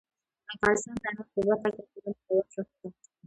افغانستان د انارو په برخه کې پوره نړیوال شهرت او مقام لري.